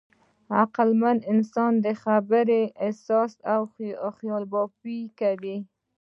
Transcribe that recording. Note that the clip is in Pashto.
عقلمن انسان خبرې، احساس او خیالبافي کوي.